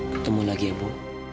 ketemu lagi ya bu